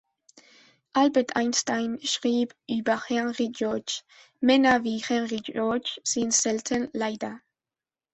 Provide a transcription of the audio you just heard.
Albert Einstein schrieb über Henry George: „Männer wie Henry George sind selten, leider.